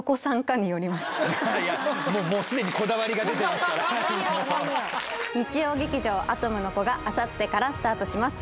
すでにこだわりが出てますから日曜劇場「アトムの童」があさってからスタートします